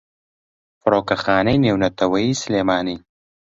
فڕۆکەخانەی نێونەتەوەییی سلێمانی